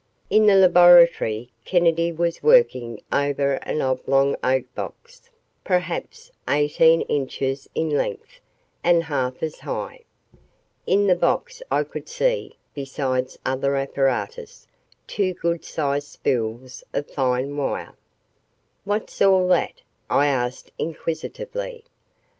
........ In the laboratory, Kennedy was working over an oblong oak box, perhaps eighteen inches in length and half as high. In the box I could see, besides other apparatus, two good sized spools of fine wire. "What's all that?" I asked inquisitively.